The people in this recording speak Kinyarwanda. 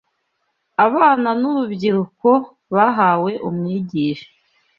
Abana n’urubyiruko bahawe umwigisha